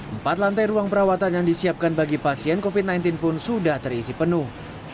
empat lantai ruang perawatan yang disiapkan bagi pasien covid sembilan belas pun sudah terisi penuh